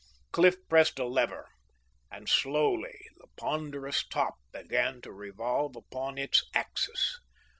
Cliff pressed a lever, and slowly the ponderous top began to revolve upon its axis.